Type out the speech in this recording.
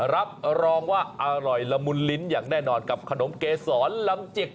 รับรองว่าอร่อยละมุนลิ้นอย่างแน่นอนกับขนมเกษรลำจิก